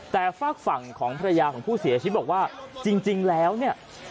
แต่ฝากฝั่งของภรรยาของผู้เสียชีวิตบอกว่าจริงแล้วเนี่ย